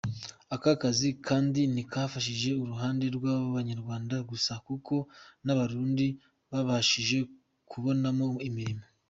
Aka kazi kandi ntikafashije uruhande rw’Abanyarwanda gusa kuko n’Abarundi babashije kubonamo imirimo.